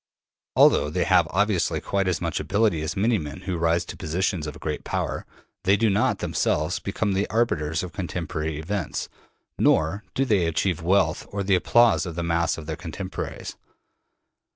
Although they have obviously quite as much ability as many men who rise to positions of great power, they do not themselves become the arbiters of contemporary events, nor do they achieve wealth or the applause of the mass of their contemporaries.